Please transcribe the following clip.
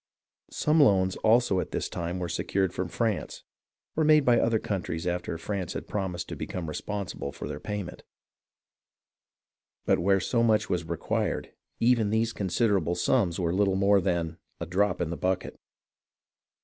Some loans also at this time were secured from France, or made by other coun tries after France had promised to become responsible for their payment ; but where so much was required, even these considerable sums were little more than "a drop in the bucket."